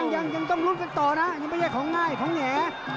ยังต้องลุ้นกันต่อนะยังไม่ใช่ของง่ายของแหง